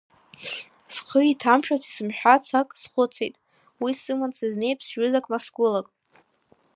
Схы иҭамшәац, исымҳәац ак схәыцит, уи сыман сизнеип сҩызак ма сгәылак.